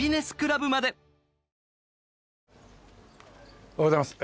おはようございます。